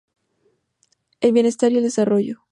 El bienestar y el desarrollo.